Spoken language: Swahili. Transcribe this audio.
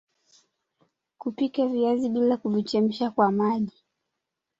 Kupika viazi bila kuvichemsha kwa maji